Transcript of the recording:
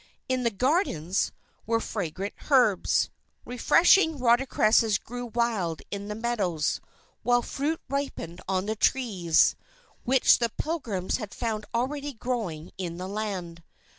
In the gardens, were fragrant herbs. Refreshing watercresses grew wild in the meadows; while fruit ripened on the trees, which the Pilgrims had found already growing in the land.